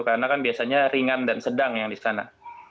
karena kan biasanya ringan dan sedang yang di sana